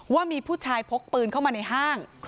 ว่ามีผู้ชายพกปืนเข้ามาในห้าง